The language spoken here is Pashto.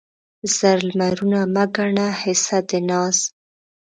زر لمرونه مه ګڼه حصه د ناز